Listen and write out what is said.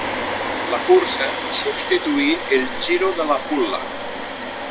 La cursa substituí el Giro de la Pulla.